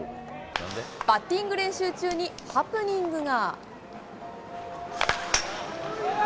バッティング練習中にハプニングが。